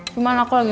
cuman aku lagi gak